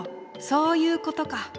そういうことか。